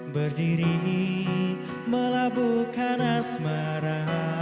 berdiri melaburkan asmara